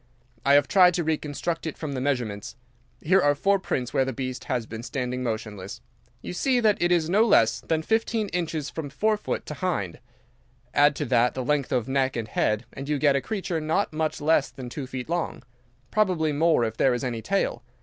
I have tried to reconstruct it from the measurements. Here are four prints where the beast has been standing motionless. You see that it is no less than fifteen inches from fore foot to hind. Add to that the length of neck and head, and you get a creature not much less than two feet long—probably more if there is any tail.